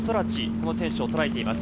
この選手をとらえています。